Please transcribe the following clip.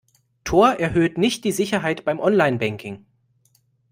Tor erhöht nicht die Sicherheit beim Online-Banking.